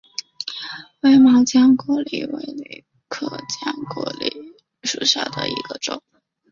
灰毛浆果楝为楝科浆果楝属下的一个种。